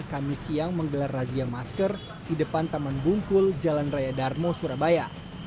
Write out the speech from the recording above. kami siang menggelar razia masker di depan taman bungkul jalan raya darmo surabaya